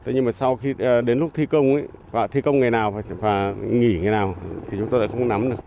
thế nhưng mà sau khi đến lúc thi công và thi công ngày nào và nghỉ ngày nào thì chúng tôi lại không nắm được